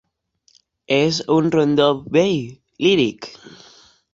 És un rondó bell, líric.